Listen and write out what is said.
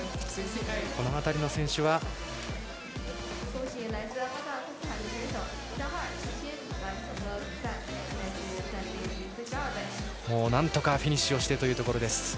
この辺りの選手はなんとかフィニッシュをしてというところです。